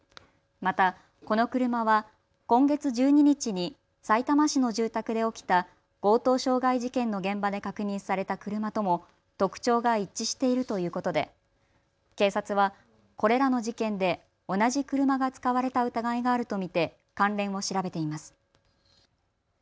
また、この車は今月１２日にさいたま市の住宅で起きた強盗傷害事件の現場で確認された車とも特徴が一致しているということで警察はこれらの事件で同じ車が使われた疑いがあると見て関連を調べています。